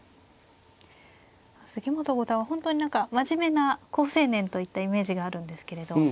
杉本五段は本当に何か真面目な好青年といったイメージがあるんですけれど。